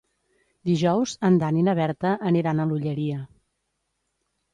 Dijous en Dan i na Berta aniran a l'Olleria.